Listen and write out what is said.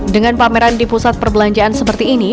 dengan pameran di pusat perbelanjaan seperti ini